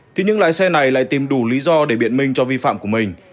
thì những lái xe này lại tìm đủ lý do để biện minh cho vi phạm của mình